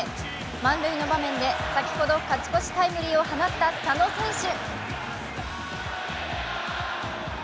満塁の場面で先ほど勝ち越しタイムリーを放った佐野選手。